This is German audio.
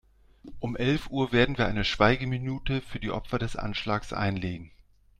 Um elf Uhr werden wir eine Schweigeminute für die Opfer des Anschlags einlegen.